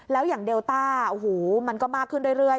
แล้วอย่างเดลต้าโอ้โหมันก็มากขึ้นเรื่อย